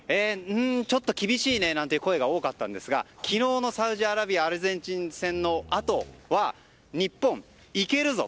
ちょっと厳しいねという声が多かったんですが昨日のサウジアラビアアルゼンチン戦のあとは日本、いけるぞ！